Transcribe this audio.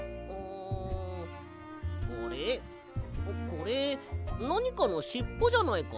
これなにかのしっぽじゃないか？